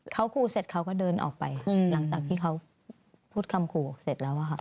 เขาขู่เสร็จเขาก็เดินออกไปหลังจากที่เขาพูดคำขู่เสร็จแล้วอะค่ะ